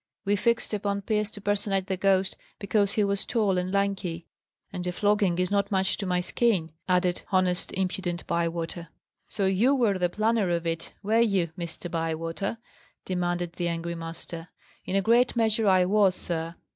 We fixed upon Pierce to personate the ghost because he was tall and lanky. And a flogging is not much to my skin," added honest, impudent Bywater. "So you were the planner of it, were you, Mr. Bywater?" demanded the angry master. "In a great measure I was, sir.